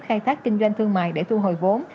khai thác kinh doanh thương mại để thu hồi vốn